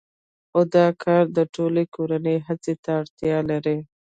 خو دا کار د ټولې کورنۍ هڅو ته اړتیا لري